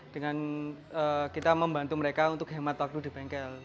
dengan kita membantu mereka untuk hemat waktu di bengkel